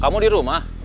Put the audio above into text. kamu di rumah